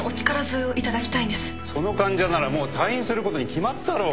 その患者ならもう退院することに決まったろ。